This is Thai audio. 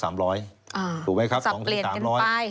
อาจจะสลับเปลี่ยนกันไป